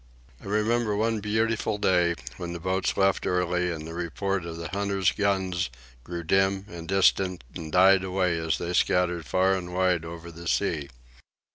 I remember one beautiful day, when the boats left early and the reports of the hunters' guns grew dim and distant and died away as they scattered far and wide over the sea.